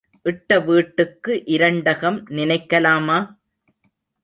இட்ட வீட்டுக்கு இரண்டகம் நினைக்கலாமா?